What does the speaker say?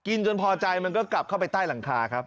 จนพอใจมันก็กลับเข้าไปใต้หลังคาครับ